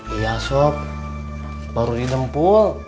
iya sob baru idem pul